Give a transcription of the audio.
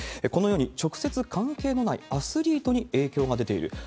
このように、直接関係のないアスリートに影響が出ている。